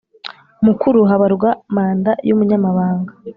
Mukuru habarwa manda y umunyamabanga